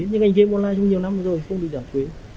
nhưng ngành game online trong nhiều năm rồi không được giảm thuế